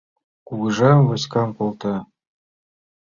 Кугыжа войскам колта